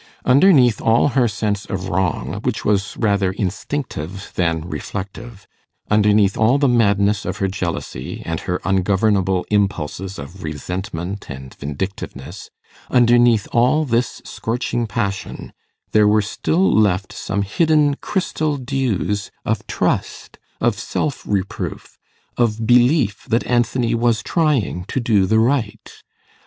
Underneath all her sense of wrong, which was rather instinctive than reflective underneath all the madness of her jealousy, and her ungovernable impulses of resentment and vindictiveness underneath all this scorching passion there were still left some hidden crystal dews of trust, of self reproof, of belief that Anthony was trying to do the right.